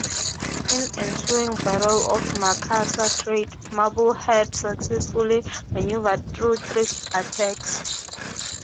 In the ensuing Battle of Makassar Strait, "Marblehead" successfully maneuvered through three attacks.